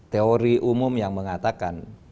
teori umum yang mengatakan